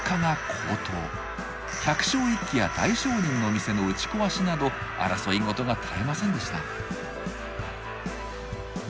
百姓一揆や大商人の店の打ちこわしなど争い事が絶えませんでした。